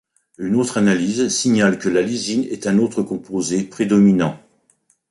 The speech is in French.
Une autre analyse signale que la lysine est un autre composé prédominant.